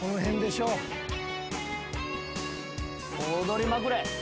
踊りまくれ！